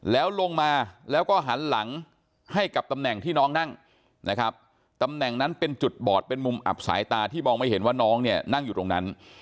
แล้วลงมาแล้วก็หันหลังให้กับตำแหน่งที่น้องนั่งนะครับตำแหน่งนั้นเป็นจุดบอดเป็นมุมอับสายตาที่มองไม่เห็นว่าน้องเนี่ยนั่งอยู่ตรงนั้น